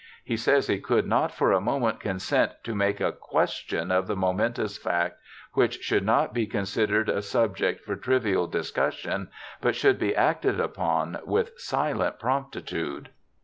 He says he could not for a moment consent to make a question of the momentous fact, which should not be considered a subject for trivial discussion, but should be acted upon with silent promptitude.